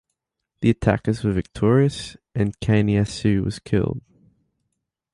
The attackers were victorious, and Kaneyasu was killed.